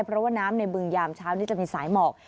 เพราะว่าน้ำในบึงยามเช้านี้จะมีสายหมอก